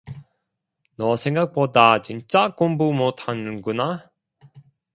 너 생각보다 진짜 공부 못하는구나?